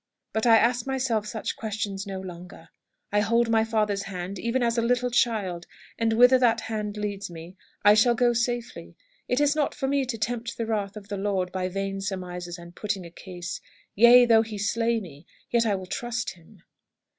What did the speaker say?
But I ask myself such questions no longer. I hold my Father's hand even as a little child, and whither that hand leads me I shall go safely. It is not for me to tempt the wrath of the Lord by vain surmises and putting a case. 'Yea, though He slay me, yet will I trust Him.'"